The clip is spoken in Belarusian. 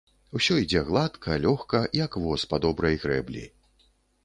Усё ідзе гладка, лёгка, як воз па добрай грэблі.